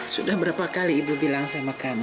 sudah berapa kali ibu bilang sama kamu